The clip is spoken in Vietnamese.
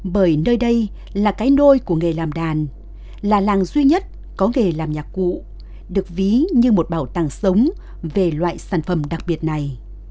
bởi nơi đây là cái nôi của nghề làm đàn là làng duy nhất có nghề làm nhạc cụ được ví như một bảo tàng sống về loại sản phẩm đặc biệt này